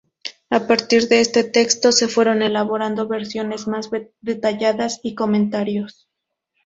A partir de este texto, se fueron elaborando versiones más detalladas y comentarios.